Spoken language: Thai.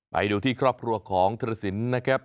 ไปดูที่ครอบครัวของธุรสินนะครับ